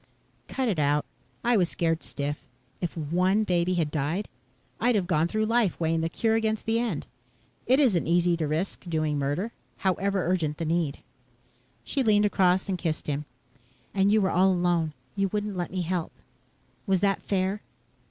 "Cut it out. I was scared stiff. If one baby had died, I'd have gone through life weighing the cure against the end. It isn't easy to risk doing murder however urgent the need." She leaned across and kissed him. "And you were all alone. You wouldn't let me help. Was that fair?"